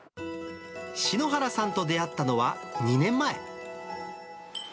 篠原さんと出会ったのは２年前。